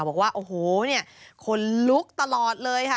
บอกว่าโอ้โหเนี่ยขนลุกตลอดเลยค่ะ